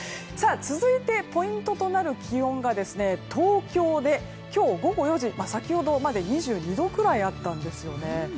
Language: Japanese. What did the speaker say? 続いてポイントとなる気温が東京で今日午後４時、先ほどまで２２度くらいあったんですよね。